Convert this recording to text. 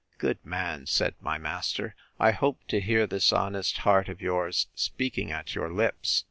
Good man! said my master—I hope to hear this honest heart of yours speaking at your lips.